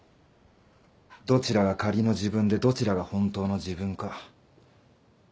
どちらが仮の自分でどちらが本当の自分か。